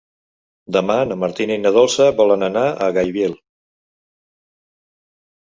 Demà na Martina i na Dolça volen anar a Gaibiel.